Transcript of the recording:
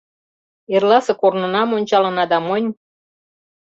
— Эрласе корнынам ончалына да монь...